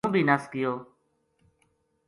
ہوں بھی نس گیو